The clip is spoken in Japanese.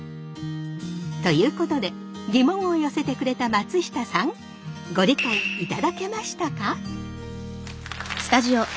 ということでギモンを寄せてくれた松下さんご理解いただけましたか？